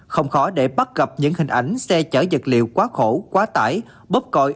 không khó để bắt gặp những hình ảnh xe chở dật liệu quá khổ quá tải bóp còi